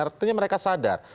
artinya mereka sadar